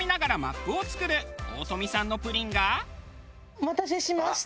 お待たせしました。